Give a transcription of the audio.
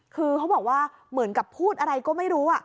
คือเขาบอกว่าเหมือนกับพูดอะไรก็ไม่รู้